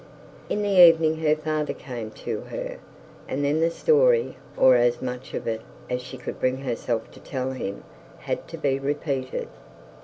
In the evening her father came to her, and then the story, or as much of it as she could bring herself to tell him, had to be repeated.